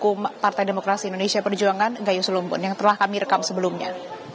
ketua tim hukum partai demokrasi indonesia perjuangan gaya sulumbun yang telah kami rekam sebelumnya